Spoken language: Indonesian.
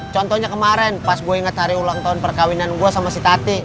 contohnya kemarin pas gue inget hari ulang tahun perkawinan gue sama si tati